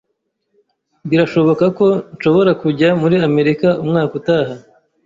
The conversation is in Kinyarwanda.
Birashoboka ko nshobora kujya muri Amerika umwaka utaha.